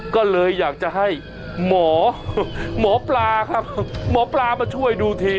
ก็เลยอยากจะให้หมอหมอปลาครับหมอปลามาช่วยดูที